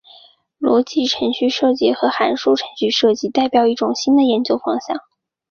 逻辑程序设计和函数程序设计代表一种新的研究方向。